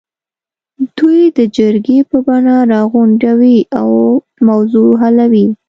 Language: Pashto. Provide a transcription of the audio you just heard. دوی د جرګې په بڼه راغونډوي او موضوع حلوي.